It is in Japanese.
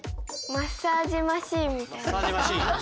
マッサージマシーン。